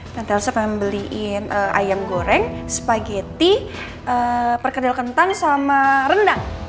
tante elsa pengen beliin ayam goreng spaghetti perkedil kentang sama rendang